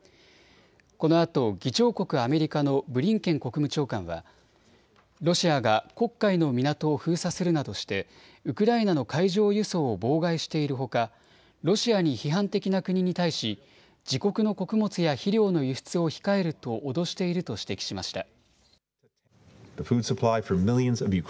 このあと議長国アメリカのブリンケン国務長官は、ロシアが黒海の港を封鎖するなどしてウクライナの海上輸送を妨害しているほかロシアに批判的な国に対し自国の穀物や肥料の輸出を控えると脅していると指摘しました。